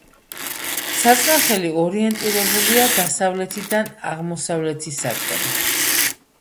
საწნახელი ორიენტირებულია დასავლეთიდან აღმოსავლეთისაკენ.